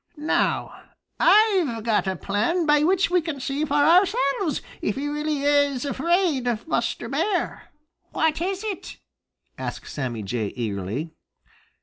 Now I've got a plan by which we can see for ourselves if he really is afraid of Buster Bear." "What is it?" asked Sammy Jay eagerly.